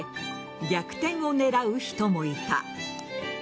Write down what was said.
逆転を狙う人もいた。